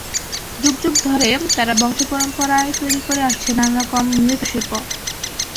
যুগ যুগ ধরে তারা বংশপরম্পরায় তৈরি করে আসছে নানা রকম মৃৎশিল্প।